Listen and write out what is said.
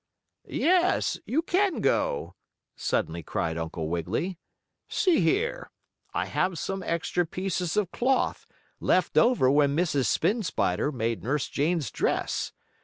"Yes, you can go!" suddenly cried Uncle Wiggily. "See here! I have some extra pieces of cloth, left over when Mrs. Spin Spider made Nurse Jane's dress.